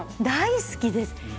大好きです。